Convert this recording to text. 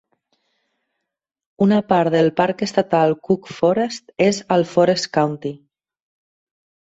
Una part del Parc Estatal Cook Forest és al Forest County.